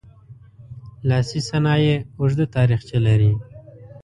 لاسي صنایع اوږده تاریخچه لري.